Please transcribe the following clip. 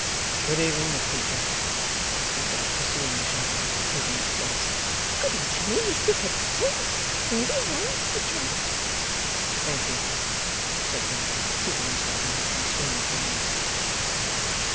'Good evening, Miss Peecher,' he said, pursuing the shadow, and taking its place. 'Good evening, Mr Headstone. Mary Anne, a chair.' 'Thank you,' said Bradley, seating himself in his constrained manner.